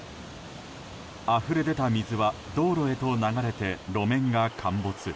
あふれ出た水は道路へと流れて路面が陥没。